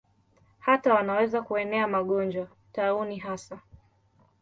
Hata wanaweza kuenea magonjwa, tauni hasa.